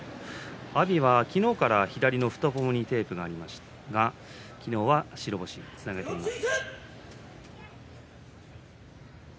阿炎は、昨日から左の太ももにテープがありますが昨日は白星につなげています。